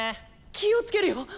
気を付けるよ！